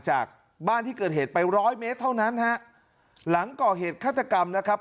จากบ้านที่เกิดเหตุไปร้อยเมตรเท่านั้นฮะหลังก่อเหตุฆาตกรรมนะครับ